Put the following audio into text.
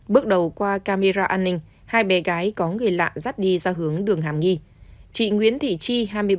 bước đầu qua camera an ninh hai bé gái có người lạ dắt đi ra hướng đường hàm nghi